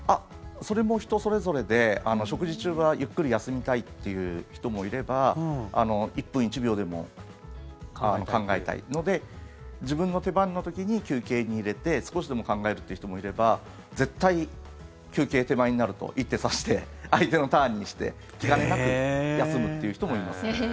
それも人それぞれで食事中はゆっくり休みたいっていう人もいれば１分１秒でも考えたいので自分の手番の時に休憩に入れて少しでも考えるという人もいれば絶対、休憩手前になると一手指して相手のターンにして、気兼ねなく休むという人もいます。